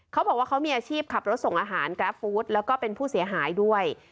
เขาบอกว่าเขามีอาชีพขับรถส่งอาหารกราฟฟู้ดแล้วก็เป็นผู้เสียหายด้วย